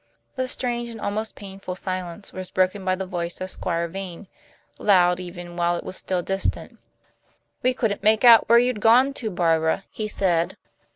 The strained and almost painful silence was broken by the voice of Squire Vane, loud even while it was still distant. "We couldn't make out where you'd got to, Barbara," he said.